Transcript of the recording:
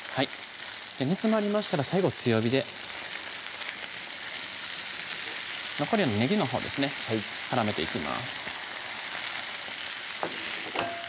煮詰まりましたら最後強火で残りのねぎのほうですね絡めていきます